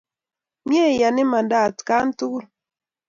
Mye ian imanda atkan yukul